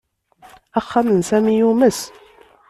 Axxam n Sami yumes.